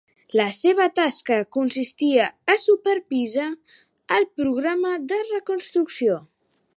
La seva tasca consistia a supervisar el programa de reconstrucció.